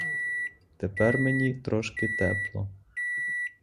Тепер мені трошки тепло.